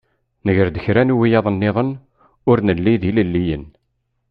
Nger-d kra n wiyaḍ-nniḍen ur nelli d ilelliyen.